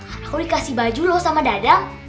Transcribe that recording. dari mana kamu dikasih baju sama dadang